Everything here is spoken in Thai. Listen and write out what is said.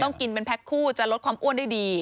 ต้องกินเป็นแพ็คคู่จะลดความอ้วนได้ดี